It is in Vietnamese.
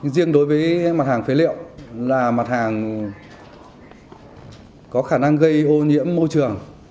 riêng đối với mặt hàng phế liệu là mặt hàng có khả năng gây ô nhiễm môi trường